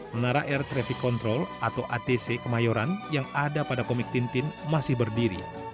menara air traffic control atau atc kemayoran yang ada pada komik tintin masih berdiri